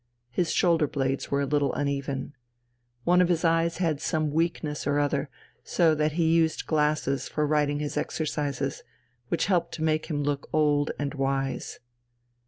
His shoulder blades were a little uneven. One of his eyes had some weakness or other, so that he used glasses for writing his exercises, which helped to make him look old and wise....